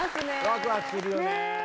わくわくするよね。